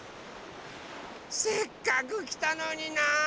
せっかくきたのになあ。